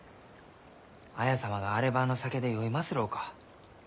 綾様があればあの酒で酔いますろうか。